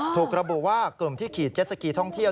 ถูกระบุว่ากลุ่มที่ขีดเจ็ดสกีท่องเที่ยว